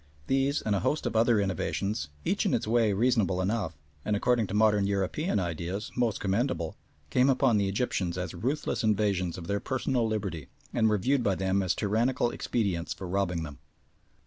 These, and a host of other innovations, each in its way reasonable enough, and, according to modern European ideas, most commendable, came upon the Egyptians as ruthless invasions of their personal liberty, and were viewed by them as tyrannical expedients for robbing them.